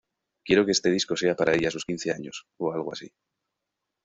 Quiero que este disco sea para ella a sus quince años, o algo así.